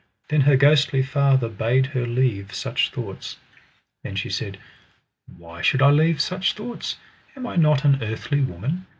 Then her ghostly father bade her leave such thoughts. Then she said, why should I leave such thoughts? Am I not an earthly woman?